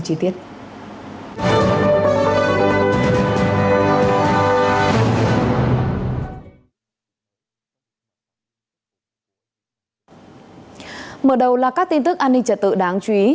các tin tức an ninh trật tự đáng chú ý